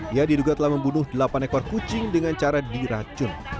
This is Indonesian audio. ia diduga telah membunuh delapan ekor kucing dengan cara diracun